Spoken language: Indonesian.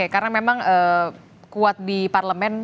karena memang kuat di parlemen